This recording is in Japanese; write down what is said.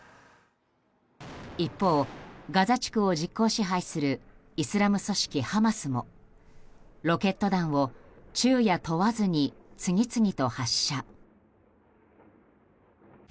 一方、ガザ地区を実効支配するイスラム組織ハマスもロケット弾を昼夜問わずに次々と発射。